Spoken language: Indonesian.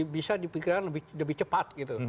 bisa dipikirkan lebih cepat gitu